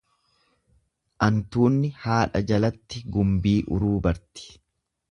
Antuunni haadha jalatti gumbii uruu barti.